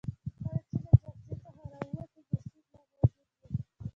کله چې له جلسې څخه راووتو مسعود لا موجود وو.